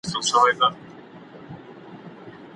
ساینس پوهنځۍ بې ارزوني نه تایید کیږي.